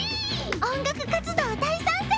音楽活動大賛成！